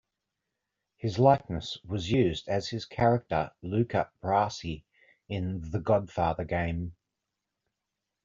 His likeness was used as his character Luca Brasi in "The Godfather Game".